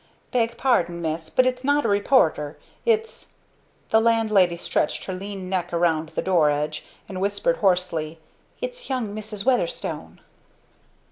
"Beg pardon, Miss, but it's not a reporter; it's ." The landlady stretched her lean neck around the door edge and whispered hoarsely, "It's young Mrs. Weatherstone!"